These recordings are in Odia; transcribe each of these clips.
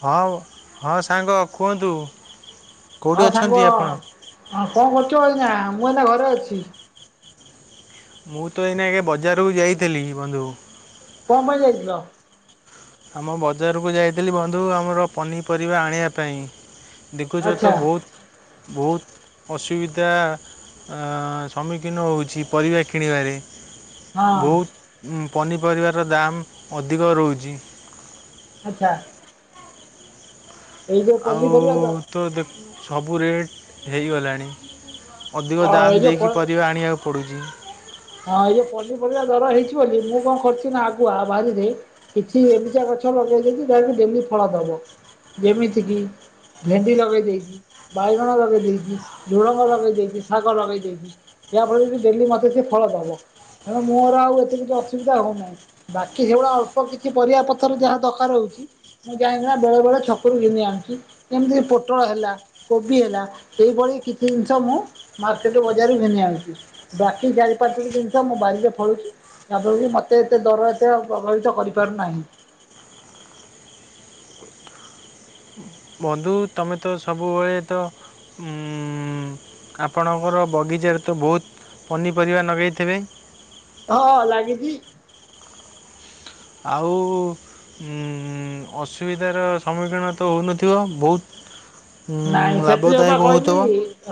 ହଁ ହଁ ସାଙ୍ଗ କୁହନ୍ତୁ କେଉଁଠି ହଁ ସାଙ୍ଗ ଅଛନ୍ତି ଆପଣ? କଣ କରୁଛ ଆଜ୍ଞା ମୁଁ ଏ ଘ ଅଛି ମୁଁ ତ ଏଇନା ଆଜ୍ଞା ବଜାରକୁ ଯାଇଥିଲି ବନ୍ଧୁ କ ପାଇଁ ଯାଇଥିଲ ଆମ ବଜାରକୁ ଯାଇଥିଲି ବନ୍ଧୁ ଆମର ପନିପରିବା ଆଣିବା ପାଇଁ ଦେଖୁଛ ତ ଆଚ୍ଛା ବହୁତ ବହୁତ ଅସୁବିଧା ସମ୍ମୁଖୀନ ହେଉଛି ପରିବା କିଣିବାରେ ହଁ ବହୁତ ପନିପରିବାର ଦାମ୍ ଅଧିକ ରହୁଛି ଆଚ୍ଛା ଏଇ ଯୋଉ ଆଉ ପନିପରିବା ତ ଦେଖ ସବୁ ରେଟ୍ ହେଇଗଲାଣି ଅଧିକ ହଁ ଦାମ୍ ଏଇ ଯୋଉ ଦେଇକି ଫଳ ପରିବା ଆଣିବାକୁ ପଡ଼ୁଛି। ହଁ ଏଇ ଯେଉ ପନିପରିବା ଦର ହେଇଛି ବୋଲି ମୁଁ କଣ କରୁଛି ନା ଆଗୁଆ ବାହାରିରେ କିଛି ଏମିଚା ଗଛ ଲଗେଇ ଦେଇଛି ଯାହାକି ଡେଲି ଫଳ ଦବ ଯେମିତି କିି ଭେଣ୍ଡି ଲଗେଇ ଦେଇଛି ବାଇଗଣ ଲଗେଇ ଦେଇଛି ଝୁଳଙ୍ଗ ଲଗେଇ ଦେଇଛି ଶାଗ ଲଗେଇ ଦେଇଛି ଯାଫଳରେ କି ଡେଲି ମତେ ସେ ଫଳ ଦେବ ତେଣୁ ମୋର ଆଉ ଏତେ କିଛି ଅସୁବିଧା ହେଉନାହିଁ ବାକି ସେଇଭଳିଆ ଅଳ୍ପ କିଛି ପରିବା ପଥର ଯାହା ଦରକାର ହେଉଛି ମୁଁ ଯାାଇକିନା ବେଳେବେଳେ ଛକରୁ ଘିନି ଆଣୁଛି ଏମିତିକି ପୋଟଳ ହେଲା କୋବି ହେଲା ଏହିଇଭଳି କିଛି ଜିନିଷ ମୁଁ ମାର୍କେଟ ବଜାରରୁ ଘିନି ଆଣୁଛି ବାକିରି ପାଞ୍ଚୋଟି ଜିନିଷ ମୁଁ ବାାରିରେ ଫଳୁଛି ଯାହାଫଳରେ କି ମତେ ଏତେ ଦର ଏତ ପ୍ରଭାବିତ କରିପାରୁନାହିଁ। ବନ୍ଧୁ ତୁମେ ତ ସବୁବେଳେ ତ ଆପଣଙ୍କର ବଗିଚାରେ ତ ବହୁତ ପନିପରିବା ଲଗାଇଥିବେ। ହଁ ଲାଗିଛି। ଆଉ ଅସୁବିଧାର ସମ୍ମୁଖୀନ ତ ହେଉନଥିବ ବହୁତ। ଉଁ, ନାଇଁ ସେଥି ଯଉ ବା ଲାଭଦାୟକ କହିବି ହେଉଥିବ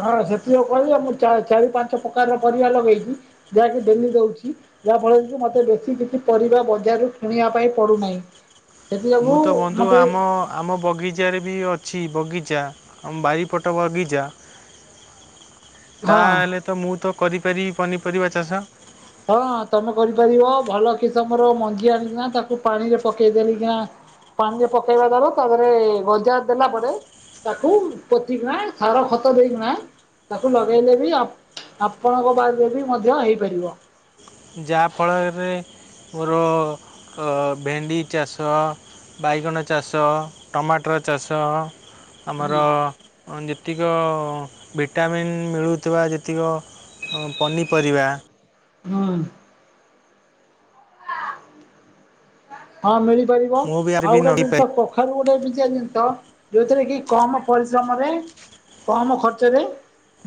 ହଁ ସେଥିଯୋଉ କହିଲି ଜେ ମୋ ଚା ଚାରି ପାଞ୍ଚ ପକାରର ପରିବା ଲଗେଇଚି ଯାହାକି ଡେଲି ଦେଉଚି ଯାହାଫଳରେ କି ମୋତେ ବେଶୀ କିଛି ପରିବା ବଜାରରୁ କିଣିବା ପାଇଁ ପଡ଼ୁନାହିଁ। ମୁଁ ତ ବନ୍ଧୁ ଆମ ଆମ ବଗିଚାରେ ବି ଅଛି ବଗିଚା। ଆମ ବାରି ପଟ ବଗିଚା। ହଁ ତାହେଲେ ତ ମୁଁ ତ କରିପାରି ପନିପରିବା ଚାଷ। ହଁ ତମେ କରିପାରିବ ।ଭଲ କିସମର ମଞ୍ଜି ଆଣିକିନା ତାକୁ ପାଣିରେ ପକେଇ ଦେଲିିକିନା ପାଣିରେ ପକେଇବା ଦ୍ଵାରା ତାପରେ ଗଜା ଦେଲା ପରେ। ତାକୁ ପୋତିକିନା ସାର ଖତ ଦେଇକିନା ତାକୁ ଲଗେଇଲେ ବି ଆ ଆପଣଙ୍କ ବାରିରେ ବି ମଧ୍ୟ ହେଇପାରିବ। ଯାହାଫଳରେ ମୋର କ ଭେଣ୍ଡି ଚାଷ ବାଇଗଣ ଚାଷ ଟମାଟର ଚାଷ। ଆମର ଯେ ଯେତିକ ଭିଟାମିନ୍ ମିଳୁଥିବା ଯେତିକ ଅ ପନିପରିବା। ହଁ। ହଁ ମିଳିପାରିବ ମୁଁ ବି ଆର ।ଆଉ ବି ଗୋଟେ ଜିନିଷ ଲଗେଇପାରିବି କଖାରୁ ଗୋଟେ [unintelligible] ଯୋଉଥିରେ କି କମ ପରିଶ୍ରମରେ କମ ଖର୍ଚ୍ଚରେ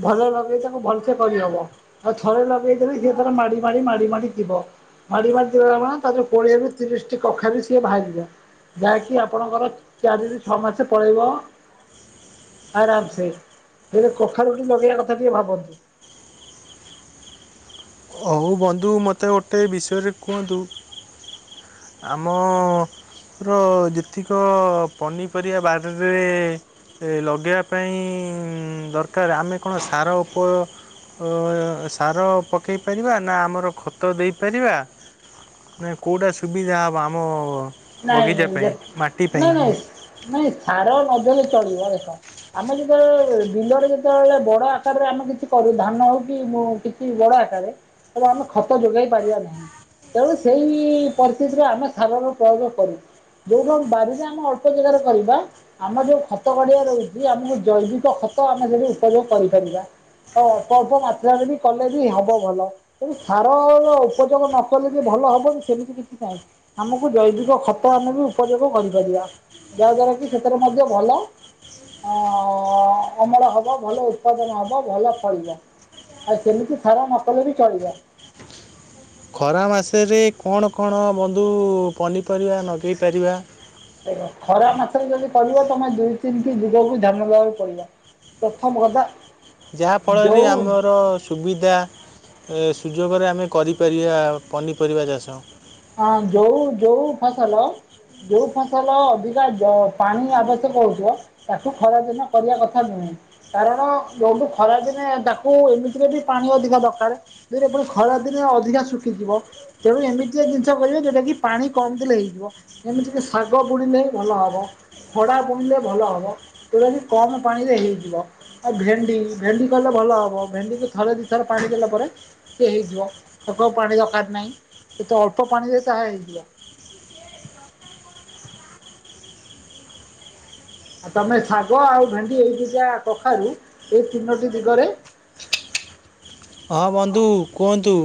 ଭଲ ଲଗେଇ ତାକୁ ଭଲସେ କରିହବ ।ଆଉ ଥରେ ଲଗେଇ ସେର ମାଡ଼ି ମାଡ଼ି ମାଡ଼ି ମାଡ଼ି ଥିବ ମାଡ଼ି ମାଡ଼ି ତା କୋଡି ବି ତିରିଶ କି କଖାରୁ ବି ସିଏ ବାହାରିଯିବ ।ଯାହାକି ଆପଣଙ୍କର ଚାରିରୁ ଛଅ ମାସ ପଳେଇବ ଆରାମ ସେ ହେଲେ କଖାରୁ ଗୋଟେ ଲଗେଇବା କଥା ଟିକେ ଭାବନ୍ତୁ। ହଉ ବନ୍ଧୁ ମୋତେ ଗୋଟେ ବିଷୟରେ କୁହନ୍ତୁ। ଆମ ର ଯେତିକ ପନିପରିବା ବାଡ଼ିରେ ଏ ଲଗେଇବା ପାଇଁ ଦରକାର। ଆମେ କଣ ସାର ଉପ ଅ ସାର ପକାଇ ପାରିବା। ନା ଆମର ଖତ ଦେଇପାରିବା ନା କୋଉଟା ସୁବିଧା ହେବ ।ଆମ ନାଇଁ ବଗିଚା ପାଇଁ ଦେ ମାଟି ପାଇଁ ନାଇଁ ନାଇଁ ନାଇଁ ସାର ନଦେଲେ ଚଳିବ ଦେଖ ।ଆମେ ଯେତେବେଳେ ବିଲରେ ଯେତେବେଳେ ବଡ ଆକାରରେ ଆମେ କିଛି କରୁ ଧାନ ହଉ କି କିଛି ବଡ ଆକାରରେ ।ତ ଆମେ ଖତ ଯୋଗେଇ ପାରିବା ନାହିଁ। ତେଣୁ ସେଇ ପରିସ୍ଥିତିରେ ଆମେ ସାର ଉପୋଗ କରି ଯୋଉଟା ବାରିରେ ଆମେ ଅଳ୍ପ ଜାଗାରେ କରିବା। ଆମର ଯୋଉ ଖତ ଗଡିଆ ରହୁଛି ଆମକୁ ଜୈବିକ ଖତ ଆମେ ସେଠି ଉପଯୋଗ କରିପାରିବା। ଆଉ ଅଳ୍ପ ଅଳ୍ପ ମାତ୍ରାରେ ବି କଲେ ବି ହବ ଭଲ। ତେଣୁ ସାର ଉପଯୋଗ ନକଲେ ବି ଭଲ ହବନି ସେମିତି କିଛି ନାହିଁ ।ଆମକୁ ଜୈବିକ ଖତ ବି ଆମେ ଉପଯୋଗ କରିପାରିବା। ଯାହାଦ୍ୱାରା କି ସେଥିରେ ମଧ୍ୟ ଭଲ ଆଁ ଅମଳ ହବ ଭଲ ଉତ୍ପାଦନ ହବ ଭଲ ଫଳିବ। ଆ ସେମିତି ସାର ନପଡିଲେ ବି ଚଳିବ। ଖରା ମାସରେ କଣ କଣ ବନ୍ଧୁ ପନିପରିବା ନଗେଇ ପାରିବା। ଦେଖ ଖରା ମାସରେ ଯଦି କରିବ। ତମେ ଦୁଇ ତିନି ଟି ଦିଗକୁ ଧ୍ୟାନ ଦେବାକୁ ପଡିବ ।ପ୍ରଥମ କଥା ଯାହାଫଳରେ ଯୋଉ ଆମର ସୁବିଧା ଏ ସୁଯୋଗରେ ଆମେ କରିପାରିବା ପନିପରିବା ଚାଷ। ହଁ ଯୋଉ ଯୋଉ ଫସଲ ଯୋଉ ଫସଲ ଅଧିକା ପାଣି ଜ ଆବଶ୍ୟକ ହଉଥିବ ତାକୁ ଖରାଦିନେ କରିବା କଥା ନୁହେଁ ।କାରଣ ଯୋଉଠୁ ଖରାଦିନେ ତାକୁ ଏମିତିରେ ବି ପାଣି ଅଧିକା ଦରକାର। ଯଭ ଖରାଦିନେ ଅଧିକା ଶୁଖିଯିବ ତେଣୁ ଏମିତି ଗୋଟିଏ ଜିନିଷ କରିବେ ଯେଉଁଟାକି ପାଣି କମ୍ ଦେଲେ ହେଇଯିବ ।ଏମିତିକି ଶାଗ ବୁଣିଲେ ଭଲ ହେବ ଖଡ଼ା ବୁଣିଲେ ଭଲ ହେବ। ଯେଉଁଟାକି କମ ପାଣିରେ ହେଇଯିବ ଆଉ ଭେଣ୍ଡି ଭେଣ୍ଡି କହିଲେ ଭଲ ହେବ ଭେଣ୍ଡିକୁ ଥରେ ଦୁଇ ଥରେ ପାଣି ଦେଲା ପରେ ସେଏ ହେଇଯିବ ।ତାକୁ ପାଣି ଦରକାର ନାହିଁ। ସେତ ଅଳ୍ପ ପାଣିରେ ତାହା ହେଇଯିବ। ଆ ତମେ ଶାଗ ଆଉ ଭେଣ୍ଡି ଏଇ ଦିଟା କଖାରୁ ଏଇ ତିନୋଟି ଦିଗରେ ହଁ ବନ୍ଧୁ କୁହନ୍ତୁ।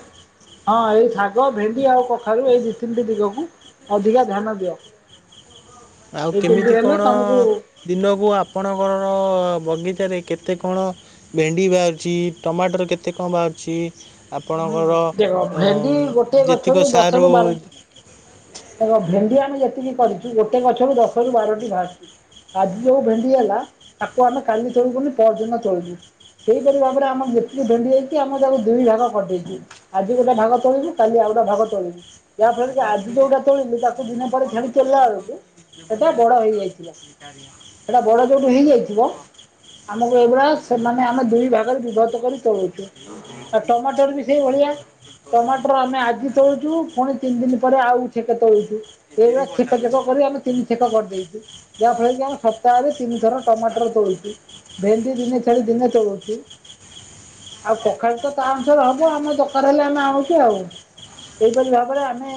[inaudible] ହଁ ଏଇ ଶାଗ ଭେଣ୍ଡି ଆଉ କଖାରୁ ଏଇ ଦି ତିନିଟି ଦିଗକୁ ଅଧିକା ଧ୍ୟାନ ଦିଅ। ଆଉ ଏଇ ତିନିଟି କେମିତି ହେଲେ କଣ ତମକୁ ହୁଁ ଦିନକୁ ଆପଣଙ୍କର ର ବଗିଚାରେ କେତେ କଣ ଭେଣ୍ଡି ବାହାରୁଛି। ଟମାଟର କେତେ କଣ ବାହାରୁଛି। ଆପଣଙ୍କର ଦେଖ ଅ ଭେଣ୍ଡି ଗୋଟିଏ ଯେତିକ ଗଛରୁ ସାରୁ ଦଶରୁ ବାର ଦେଖ ଭେଣ୍ଡି ଆମେ ଯେତିକି କରିଛୁ ଗୋଟେ ଗଛରୁ ଦଶରୁ ବାରଟି ବାହାରୁଛି ।ଆଜି ଯୋଉ ଭେଣ୍ଡି ହେଲା ତାକୁ ଆମେ କାଲି ତୋଳିବୁନି ପହର ଦିନ ତୋଳିବୁ। ସେହିପରି ଭାବରେ ଆମର ଯେତିକି ଭେଣ୍ଡି ହୋଇଛି। ଆମେ ତାକୁ ଦୁଇ ଭାଗ କରିଦେଇଛୁ। ଆଜି ଗୋଟେ ଭାଗ ତୋଳିବୁ କାଲି ଆଉ ଗୋଟେ ଭାଗ ତୋଳିବୁ ।ଯା ଫଳରେ କି ଆଜି ଯୋଉଟା ତୋଳିଲୁ ତାକୁ ଦିନ ପରେ ଛାଡି ତୋଳିଲା ବେଳକୁ ସେଟା ବଡ ହେଇଯାଇିଥିବ ।ସେଟା ବଡ ଯୋଉଠୁ ହେଇଯାଇଥିବ ଆମକୁ ଏଇଭଳି ସମାନେ ଆମେ ଦୁଇ ଭାଗରେ ବିଭକ୍ତ କରି ତୋଳୁଛୁ। ଅ ଟମାଟ ଟର ବି ସେଇ ଭଳିଆ ଟମାଟର ଆମେ ଆଜି ତୋଳୁଛୁ। ପୁଣି ତିନି ଦିନ ପରେ ଆଉ ଛେକେ ତୋଳୁଛୁ। ଏଇଭଳିଆ ଛେକ ଚ୍ଛେକ କରି ଆମେ ତିନି ଛେ଼କ କରିଦେଇଛୁ। ଯାହାଫଳରେ କି ଆମେ ସପ୍ତାହରେ ତିନି ଥର ଟମାଟର ତୋଳୁଛୁ ଭେଣ୍ଡି ଦିନେ ଛାଡ଼ି ଦିନେ ତୋଳୁଛୁ। ଆଉ କଖାଳ ତ ତା ଦରକାର ହବ ଆମ ଦରକାର ହେଲେ ଆମେ ଆଣୁଛୁ। ଏହିପରି ଭାବରେ ଆମେ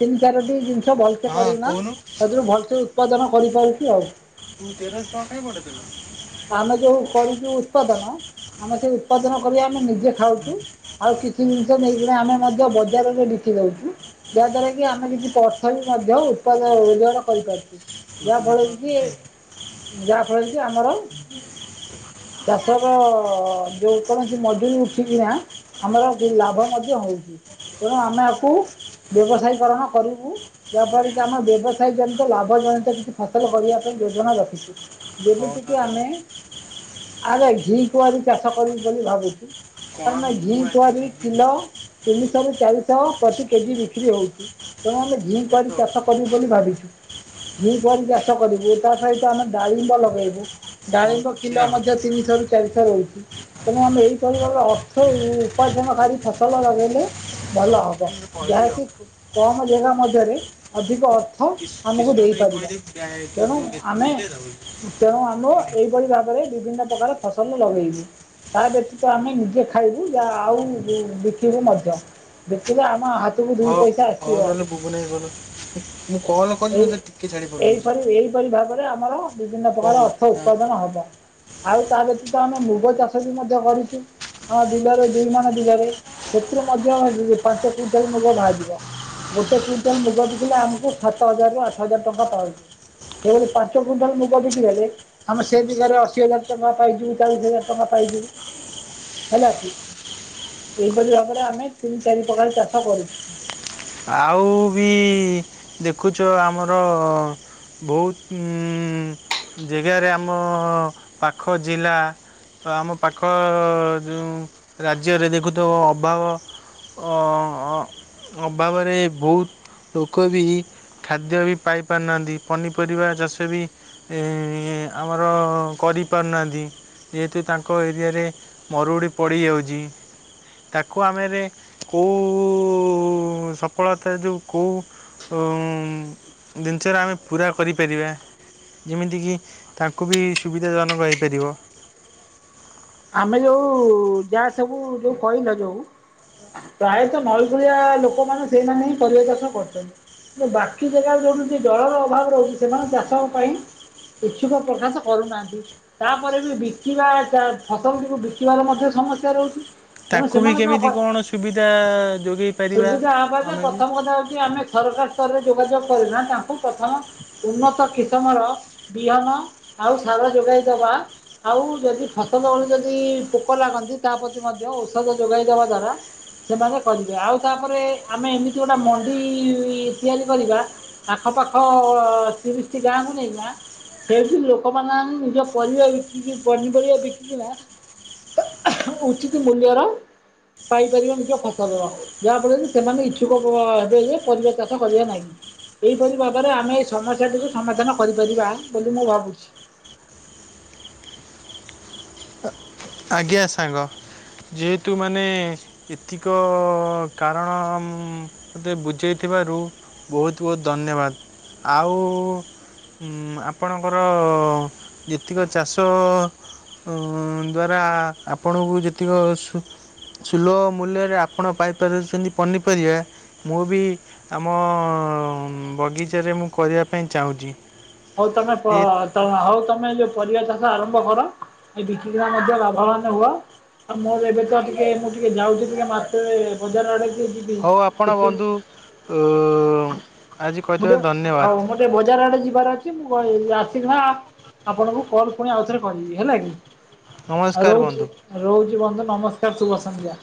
ତିନି ଚାରଟି ଜିନିଷ ଭଲସେ ହଁ କରୁନା କହୁନୁ ସେଥିରୁ ଭଲସେ ଉତ୍ପାଦନ କରିପାରୁଛୁ ଆଉ। ତୁ ତେରଶହ ଟଙ୍କା କାଇଁ ଆମେ ଯେଉ କରୁଛୁ ଉତ୍ପାଦନ ଆମେ ସେ ଉତ୍ପାଦନ କରି ଆମେ ନିଜେ ଖାଉଛୁ ।ଆଉ କିଛି ଜିନିଷ ନେଇକିନା ଆମେ ମଧ୍ୟ ବଜାରରେ ବିକି ଦେଉଛୁ। ଯାହାଦ୍ୱାରା କି ଆମେ କିଛି ଅର୍ଥ ବି ମଧ୍ୟ ଉତ୍ପାଦ ରୋଜଗାର କରିପାରୁଛୁ ।ଯାହାଫଳରେ କି ପଠେଇଦେଲୁ ଯାହାଫଳରେ କି ଆମର ଚାଷର ଯୋଉ କୌଣସି ମଜୁରୀ ଉଠିକିନା ଆମର ଲାଭ ମଧ୍ୟ ହଉଛି ।ତେଣୁ ଆମେ ଆକୁ ବ୍ୟବସାୟୀକରଣ କରିବୁ ଯାହାଫଳରେ କି ଆମେ ବ୍ୟବସାୟ ଜନିତ ଲାଭ ଜନିତ କିଛି ଫସଲ କରିବା ପାଇଁ ଯୋଜନା ରଖିଛୁ। ଯେମିତି କିି ଆମେ ଆରେ ଘି କୁଆରି ଚାଷ କରିବୁ ବୋଲି ଭାବୁଛୁ। କ'ଣ କାରଣ ଘି ମୁଁ ଆଜି କୁଆର ବୁଝିବି କିଲୋ ତିନିଶହ ରୁ ଚାରିଶହ ପ୍ରତି କେଜି ବିକ୍ରି ହଉଛି। ତେଣୁ ଆମେ ଘି କୁଆରି କେତେବେଳେ ଚାଷ କରିବୁ ବୋଲି ଭାବିଛୁ। ଘି କୁଆରି ଚାଷ କରିବୁ। ତା ସହିତ ଆମେ ଡାଳିମ୍ବ ଲଗେଇବୁ କ'ଣ ଡାଳିମ୍ବ କିଲ ଦେଖିବା ମଧ୍ୟ ତିନିଶହରୁ ଚାରିଶହ ରହିଛି। ତେଣୁ ଆମେ ଏହିପରି ଭାବରେ ଅର୍ଥ ଉପାର୍ଜନକାରୀ ଫସଲ ଲଗେଇଲେ ଭଲ ଆଉ ହବ। ତମେ କହିବି ଯାହାକି ଆଉ କମ ଜାଗା ମଧ୍ୟରେ ଅଧିକ ଅର୍ଥ ଆମକୁ କିଶୋର ନେଇ ଦେଇପାରିବା। କହିଦେବି ବ୍ୟା- ତୁ ତେଣୁ ଯୋଉ ଆମେ ଏଥିରୁ ଉଠେଇ ଦେବୁ ତେଣୁ ଆମ ଭାବରେ ବିଭିନ୍ନ ପ୍ରକାର ଫସଲ ଲଗେଇବୁ। ତା ବ୍ୟତୀତ ଆମେ ନିଜେ ଖାଇବୁ। ଯ ଆଉ ବିକିବୁ ମଧ୍ୟ ବିକିଲେ ଆମ ହାତକୁ ଦୁଇ ହଉ ପଇସା ହଉ ଆସିବ। ନହେଲେ ବୁବୁ ନେଇ ଗଲ ମୁଁ କଲ୍ କରିଛି ଏଇ ମୋତେ ଟିକିଏ ଛାଡ଼ି ଏହିପରି ଏହିପରି ଭାବରେ ପାରୁନେଉଛି। ଆମର ବିଭିନ୍ନ ପ୍ରକାର ଅର୍ଥଉ ଉତ୍ପାଦନ ହବ। ଆଉ ତା ବ୍ୟତୀତ ଆମେ ମୁଗ ଚାଷ ବି ମଧ୍ୟ କରିଛୁ। ଆମ ବିଲରେ ଦୁଇ ମଣ ବିଲରେ ସେଥିରୁ ମଧ୍ୟ ପାଞ୍ଚ କୁଇଣ୍ଟାଲ ମୁଗ ବାହାରଯିବ। ଗୋଟେ କୁଇଣ୍ଟାଲ ମୁଗ ବିକିଲେ ଆମକୁ ସାତ ହଜାରରୁ ଆଠ ହଜାର ଟଙ୍କା ପାଉଛି। ସେଭଳି ପାଞ୍ଚ କୁଇଣ୍ଟାଲ ମୁଗ ବିକିଦେଲେ ଆମେ ସେ ଦିଗରେ ଅଶୀ ହଜାର ଟଙ୍କା ପାଇଯିବୁ। ଚାଳିଶ ହଜାର ଟଙ୍କା ପାଇଯିବୁ ହେଲା କି ଏପରି ଭାବରେ ଆମେ ତିନି ଚାରି ପ୍ରକାର ଚାଷ କରୁଛୁ। ଆଉ ବି ଦେଖୁଛ ଆମର ବହୁତ ଜାଗାରେ ଆମ ପାଖ ଜିଲ୍ଲା ଆମ ପାଖ ଯେଉଁ ରାଜ୍ୟରେ ଦେଖୁଥ ଅଭାବ ଅଭାବରେ ବହୁତ ଲୋକ ବି ଖାଦ୍ୟ ବି ପାଇପାରୁନାହାଁନ୍ତି। ପନିପରିବା ଚାଷ ବି ଆମର କରିପାରୁନାହାଁନ୍ତି। ଯେହେତୁ ତାଙ୍କ ଏରିଆରେ ମରୁଡ଼ି ପଡ଼ିଯାଉଛି ତାକୁ ଆମେ କେଉଁ ସଫଳତା ଯେଉଁ ଜିନିଷରେ ଆମେ ପୁରା କରିପାରିବା। ଯେମିତି କିି ତାଙ୍କୁ ବି ସୁବିଧାଜନକ ହେପାରିବ। ଆମେ ଯୋଉ ଯାହା ସବୁ ଯୋଉ କହିଲ ଯୋଉ ପ୍ରାୟତଃ ନଈକୂଳିଆ ଲୋକମାନେ ସେଇମାନେ ହିଁ ପରିବା ଚାଷ କରୁଛନ୍ତି। କି ବାକି ଜାଗାରେ ଯୋଠୁ ଜଳର ଅଭାବ ରହୁଛି ସେମାନେ ଚାଷ ପାଇଁ ଇଚ୍ଛୁକ ପ୍ରକାଶ କରୁନାହାନ୍ତ। ତାପରେ ବି ବିକିବା ଫସଲଟିକୁ ବିକିବାର ମଧ୍ୟ ସମସ୍ୟା ରହୁଛି। ତଣୁ ତାଙ୍କୁ ବି ସେମାନେ କଣ କ କେମିତି ସୁବିଧା ଯୋଗାଇ ପାରିବା ସେଠାହା ଆମେ ବି ପ୍ରଥମ କଥା ହଉଛି ଆମେ ସରକାର ସ୍ତରରେ ଯୋଗାଯୋଗ ତାଙ୍କୁ ପ୍ରଥମ ଉନ୍ନତ କିସମର ବିହନ ଆଉ ସାର ଯୋଗାଇଦବା ଆଉ ଯଦି ବେଳେ ଯଦି ପୋକ ଲାଗନ୍ତି ତା ପ୍ରତି ମଧ୍ୟ ଔଷଧ ଯୋଗାଇ ଦେବା ଦ୍ଵାରା ସେମାନେ କରିବେ। ଆଉ ତାପରେ ଆମେ ଏମିତି ଗୋଟେ ମଣ୍ଡି ତିଆରି କରିବା ଆଖପାଖ ତିରିଶଟି ଗାଁକୁ ନେଇବା ସେଇଠି ଲୋକମାନେ ନିଜ ପରିବା ବିକିକି ପନିପରିବା ବିକ ଉଚିତ ମୂଲ୍ୟର ପାଇପାରିବା ନିଜ ଫସଲର। ଯାହାଫଳରେ କି ସେମାନେ ଇଚ୍ଛୁକ ହେବେ ଯେ ପରିବା ଚାଷ କରିବା। ନାହିଁ ଏହିଇପରି ଭାବରେ ଆମେ ଏ ସମସ୍ୟାଟିକୁ ସମାଧାନ କରିପାରିବା ବୋଲି ମୁଁ ଭାବୁଛି। ଆଜ୍ଞା ସାଙ୍ଗ ଯେହେତୁ ମାନେ ଏତିକ କାରଣ ମୋତେ ବୁଝେଇଥିବାରୁ ବହୁତ ବହୁତ ଧନ୍ୟବାଦ। ଆଉ ଆପଣଙ୍କର ଯେତିକ ଚାଷ ଦ୍ୱାରା ଆପଣଙ୍କୁ ଯେତିକି ସୁଲଭ ମୂଲ୍ୟରେ ଆପଣ ପାଇପାରୁଛନ୍ତି ପନିପରିବା ମୁଁ ବି ଆମ ବଗିଚାରେ ମୁଁ କରିବା ପାଇଁ ଚାହୁଁଛି। ହଉ ତମେ ହଉ ତମେ ଯୋଉ ପରିବା ଆରମ୍ଭ କର। ବିକା ମଧ୍ୟ ଲାଭ ମାନ ହୁଅ। ଆଉ ମୋର ଏବେ ତ ଟିକେ ମୁଁ ଟିକେ ଯାଉଛି ଟିକେ ମ ବଜାର ଆଡେ ଟିକେ ଯିବି। ହଉ ଆପଣ କିଛି ବନ୍ଧୁ ଆଜି ମୁଁ କହିଥିବେ ଟିକେ ଆଉ ଧନ୍ୟବାଦ। ମୁଁ ଟିକେ ବଜାର ଆଡେ ଯିବାର ଅଛି ମୁଁ ଆସିକିନା ଆପଣଙ୍କୁ କଲ୍ ପୁଣି ଆଉ ଥରେ କହିଦେବି ହେଲା କି। ଆଉ ନମସ୍କାର ରହୁଛି ବନ୍ଧୁ ରହୁଛି ବନ୍ଧ ନମସ୍କାର ସୁୁଭ ସଂନ୍ଧ୍ୟା।